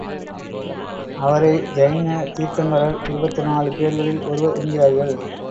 அவரை ஜைன தீர்த்தாங்கரர் இருபத்தி நாலு பேர்களில் ஒருவர் என்கிறார்கள்.